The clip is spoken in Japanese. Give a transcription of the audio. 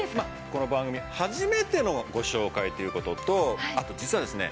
この番組初めてのご紹介という事とあと実はですね